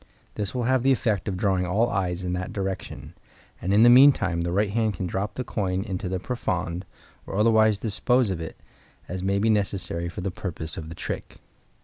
This will have the effect of drawing all eyes in that direction, and in the meantime the right hand can drop the coin into the profonde, or otherwise dispose of it as may be necessary for the purpose of the trick.